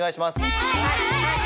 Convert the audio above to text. はい！